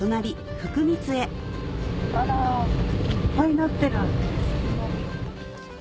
福光へあらいっぱいなってる。